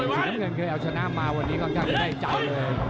สีน้ำเงินเคยเอาชนะมาวันนี้ก็ได้จ่ายเลย